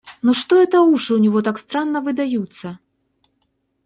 Но что это уши у него так странно выдаются!